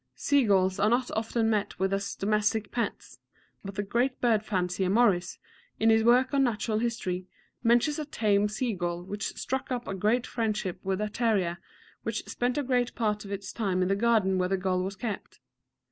Sea gulls are not often met with as domestic pets; but the great bird fancier Morris, in his work on natural history, mentions a tame sea gull which struck up a great friendship with a terrier which spent a great part of its time in the garden where the gull was kept.